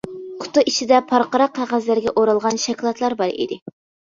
قۇتا ئىچىدە پارقىراق قەغەزلەرگە ئورالغان شاكىلاتلار بار ئىدى.